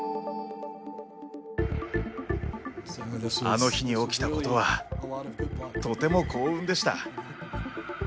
あの日に起きたことはとても幸運でした。